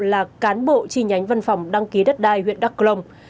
là cán bộ chi nhánh văn phòng đăng ký đất đai huyện đắk rồng